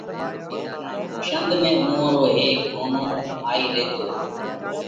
شنڌ ۾ اُوئون رو هيڪ نونو ڀائِي ريتو۔